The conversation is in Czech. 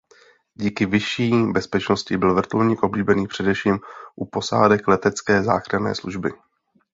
Díky vyšší bezpečnosti byl vrtulník oblíbený především u posádek letecké záchranné služby.